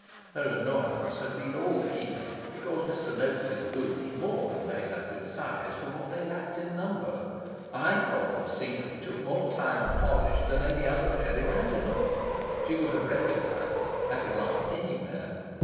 Her annoyance had been all the keener because Mr. Noaks' boots more than made up in size for what they lacked in number. Either of them singly took more time and polish than any other pair imaginable. She would have recognised them, at a glance, anywhere.